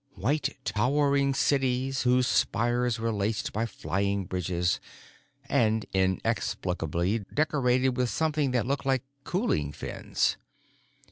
White, towering cities whose spires were laced by flying bridges—and inexplicably decorated with something that looked like cooling fins.